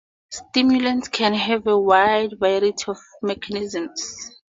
Stimulants can have a wide variety of mechanisms.